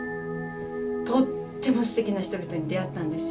とってもすてきな人々に出会ったんですよ